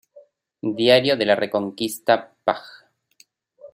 Diario de la Reconquista Pág.